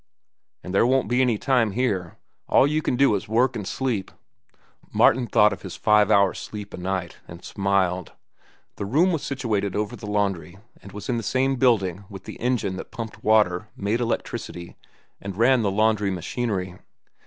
"And there won't be any time here. All you can do is work an' sleep." Martin thought of his five hours' sleep a night, and smiled. The room was situated over the laundry and was in the same building with the engine that pumped water, made electricity, and ran the laundry machinery.